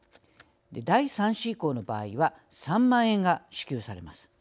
第３子以降の場合は３万円が支給されます。